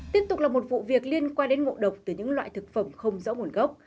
tiếp tục là một vụ việc liên quan đến ngộ độc từ những loại thực phẩm không rõ nguồn gốc